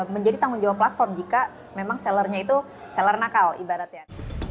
menjadi tanggung jawab platform jika memang sellernya itu seller nakal ibaratnya